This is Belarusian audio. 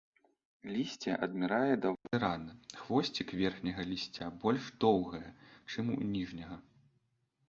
Лісце адмірае даволі рана, хвосцік верхняга лісця больш доўгае, чым у ніжняга.